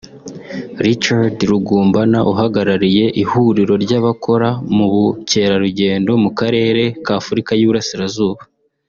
Richard Rugumbana uhagarariye ihuriro ry’abakora mu bukerarugendo mu Karere k’Afurika y’i Burasirazuba